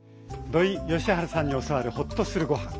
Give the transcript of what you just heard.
土井善晴さんに教わるホッとするごはん。